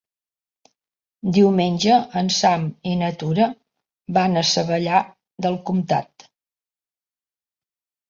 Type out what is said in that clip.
Diumenge en Sam i na Tura van a Savallà del Comtat.